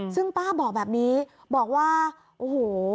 ซึ่งป้าบอกแบบนี้บอกว่าโอ้โห